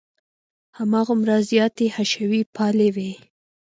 هماغومره زیاتې حشوي پالې وې.